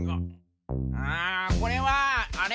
ああこれはあれ？